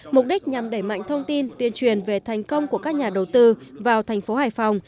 mục đích nhằm đẩy mạnh thông tin tuyên truyền về thành công của các nhà đầu tư vào thành phố hải phòng